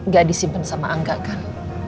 gak disimpan sama angga kan